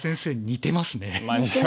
似てますね。